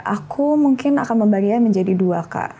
aku mungkin akan membaginya menjadi dua kak